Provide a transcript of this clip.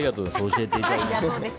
教えていただいて。